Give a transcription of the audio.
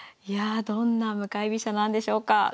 いやどんな向かい飛車なんでしょうか。